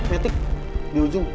metik di ujung